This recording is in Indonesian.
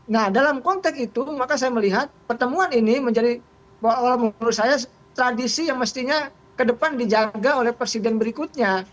nah dalam konteks itu maka saya melihat pertemuan ini menjadi bahwa menurut saya tradisi yang mestinya ke depan dijaga oleh presiden berikutnya